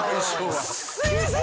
「すいません！」